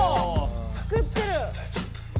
作ってる！